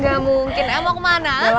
gak mungkin eh mau kemana